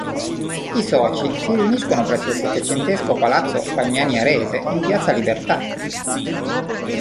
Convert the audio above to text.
I soci si riuniscono presso il secentesco palazzo Fagnani Arese in piazza Libertà.